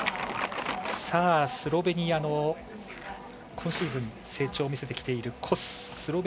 スロベニアの今シーズン成長を見せてきている、コス。